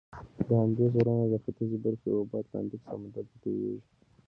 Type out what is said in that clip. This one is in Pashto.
د اندیزد غرونو د ختیځي برخې اوبه اتلانتیک سمندر ته تویږي.